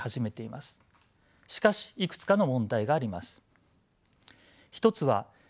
しかしいくつかの問題があります。